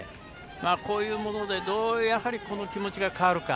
こういうもので、どうやってその気持ちが変わるか。